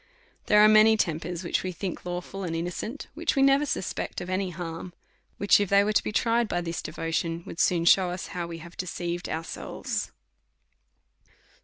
There are many tempers which we think lawful DEVOUT AND HOLY LIFE. 809 and innocent, which we never suspect of any harm ; which, if they were to be tried by this devotion, would soon shew us how we have deceived ourselves.